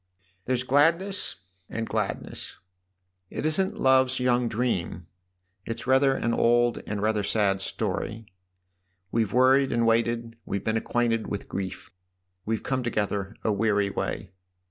" There's gladness and gladness. It isn't love's young dream ; it's rather an old and rather a sad story. We've worried and waited we've been acquainted with grief. We've come together a weary way."